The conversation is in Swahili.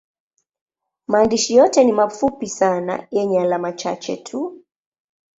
Maandishi yote ni mafupi sana yenye alama chache tu.